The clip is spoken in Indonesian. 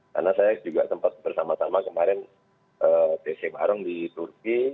karena saya juga sempat bersama sama kemarin tc barong di turki